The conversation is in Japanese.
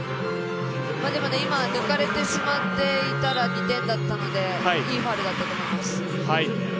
今、抜かれてしまっていたら２点だったのでいいファウルだったと思います。